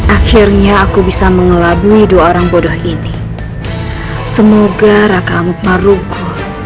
akhirnya aku bisa mengelabui dua orang bodoh ini semoga raka amut maruguh